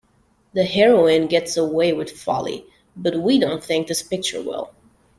The heroine gets away with folly, but we don't think this picture will.